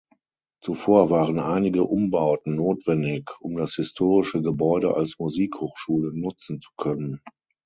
Zuvor waren einige Umbauten notwendig, um das historische Gebäude als Musikhochschule nutzen zu können.